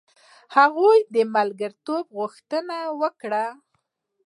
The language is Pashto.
هغوی د ملګرتوب غوښتنه وکړه.